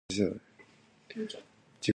The portion includes five Messier galaxies.